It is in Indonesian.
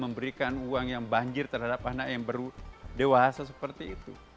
memberikan uang yang banjir terhadap anak yang baru dewasa seperti itu